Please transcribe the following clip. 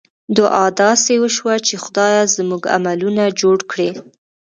دعا داسې وشوه چې خدایه! زموږ عملونه جوړ کړې.